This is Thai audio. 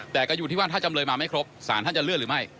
แต่ก็อยู่ที่ว่าถ้าจำเลยมาไม่ครบศาลท่านจะเลื่อนหรือไม่